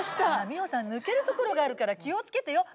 美穂さん抜けるところがあるから気を付けてよ。